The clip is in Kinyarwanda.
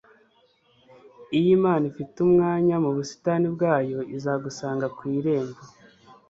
iyo imana ifite umwanya mu busitani bwayo, izagusanga ku irembo ..